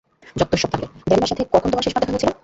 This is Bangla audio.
যত্তসব তাহলে, দাদিমার সাথে কখন তোমার শেষবার দেখা হয়েছিল?